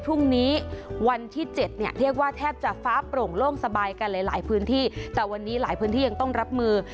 พรุ่งนี้วันที่เจ็ดเนี่ยเรียกว่าแทบจะฟ้าโปร่งโล่งสบายกันหลายหลายพื้นที่แต่วันนี้หลายพื้นที่ยังต้องรับมือ